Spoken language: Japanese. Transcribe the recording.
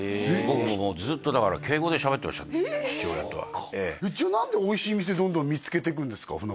僕ももうずっとだから敬語でしゃべってました父親とはそっかじゃあ何でおいしい店どんどん見つけていくんですか？